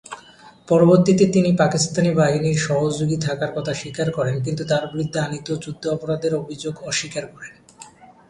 পরবর্তীতে তিনি পাকিস্তানি বাহিনীর সহযোগী থাকার কথা স্বীকার করেন কিন্তু তার বিরুদ্ধে আনীত যুদ্ধাপরাধের অভিযোগ অস্বীকার করেন।